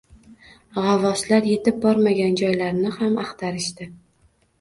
G`avvoslar etib bormagan joylarni ham axtarishdi